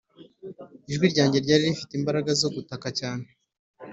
ijwi ryanjye ryari rifite imbaraga zo gutaka cyane